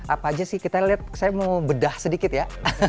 apa aja sih kita lihat saya mau bedah sedikit ya